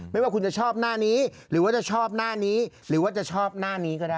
ไม่ว่าชอบหน้านี้หรือว่าชอบได้ก็ได้